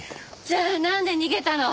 じゃあなんで逃げたの？